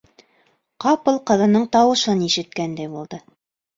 Ҡапыл ҡыҙының тауышын ишеткәндәй булды.